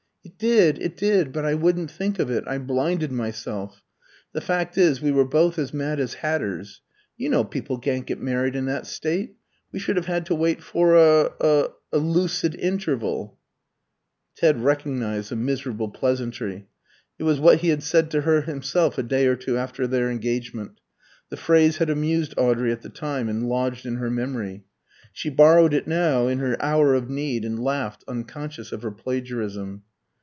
"It did, it did; but I wouldn't think of it. I blinded myself. The fact is, we were both as mad as hatters. You know people can't get married in that state. We should have had to wait for a a lucid interval." Ted recognised the miserable pleasantry; it was what he had said to her himself a day or two after their engagement. The phrase had amused Audrey at the time and lodged in her memory. She borrowed it now in her hour of need, and laughed, unconscious of her plagiarism.